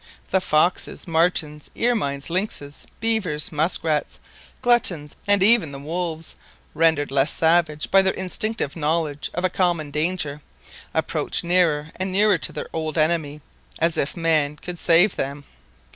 The foxes, martens, ermines, lynxes, beavers, musk rats, gluttons, and even the wolves, rendered less savage by their instinctive knowledge of a common danger, approached nearer and nearer to their old enemy man, as if man could save them.